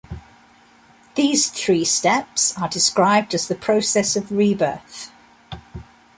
These three steps are described as the process of rebirth.